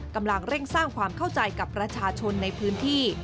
กำลังเร่งสร้างความเข้าใจกับประชาชนในพื้นที่